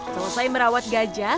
selesai merawat gajah